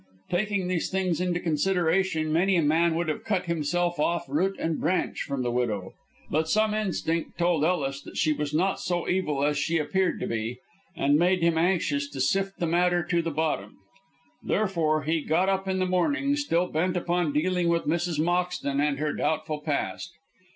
Taking these things into consideration, many a man would have cut himself off root and branch from the widow; but some instinct told Ellis that she was not so evil as she appeared to be, and made him anxious to sift the matter to the bottom. Therefore he got up in the morning still bent upon dealing with Mrs. Moxton and her doubtful past.